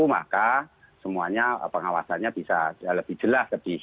maka semuanya pengawasannya bisa lebih jelas